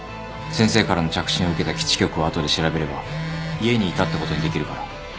先生からの着信を受けた基地局を後で調べれば家にいたってことにできるから。